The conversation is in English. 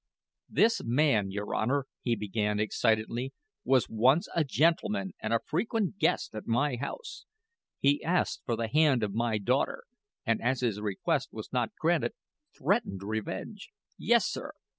"This man, your Honor," he began, excitedly, "was once a gentleman and a frequent guest at my house. He asked for the hand of my daughter, and as his request was not granted, threatened revenge. Yes, sir.